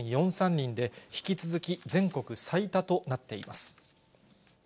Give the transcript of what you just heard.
人で、引き続き全国最多となっています。